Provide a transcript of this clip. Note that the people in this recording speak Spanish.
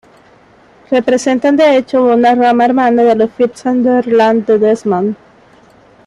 Representan de hecho una "rama" hermana de los Fitzgerald de Desmond.